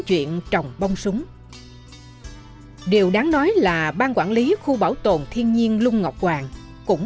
chuyện trồng bông súng điều đáng nói là ban quản lý khu bảo tồn thiên nhiên lung ngọc hoàng cũng